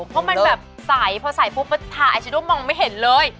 เพราะมันแบบใสพอใสพูดพอทาไอชีโด่มองมันไม่เห็นเลย